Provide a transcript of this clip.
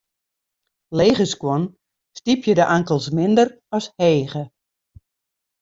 Lege skuon stypje de ankels minder as hege.